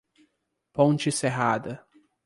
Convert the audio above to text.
Ponte Serrada